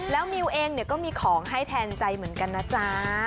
แล้วมิวเองก็มีของให้แทนใจเหมือนกันนะจ๊ะ